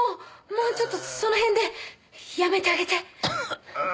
もうちょっとそのへんでやめてあげて。